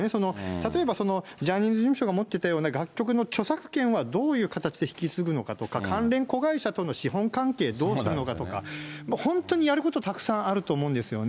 例えばその、ジャニーズ事務所が持ってたような楽曲の著作権はどういう形で引き継ぐのかとか、関連子会社との資本関係どうするのかとか、本当にやることたくさんあると思うんですよね。